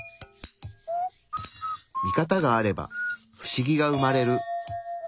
ミカタがあればフシギが生まれる。